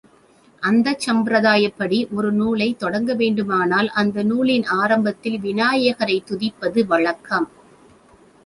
அந்தச் சம்பிரதாயப்படி, ஒரு நூலைத் தொடங்க வேண்டுமானால் அந்த நூலின் ஆரம்பத்தில் விநாயகரைத் துதிப்பது வழக்கம்.